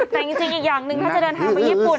แต่จริงอีกอย่างหนึ่งถ้าจะเดินทางไปญี่ปุ่น